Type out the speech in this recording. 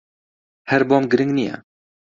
ھەر بۆم گرنگ نییە.